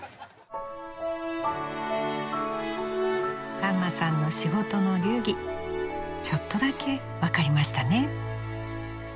さんまさんの仕事の流儀ちょっとだけ分かりましたね。